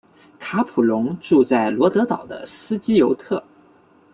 卡普荣住在罗德岛的斯基尤特。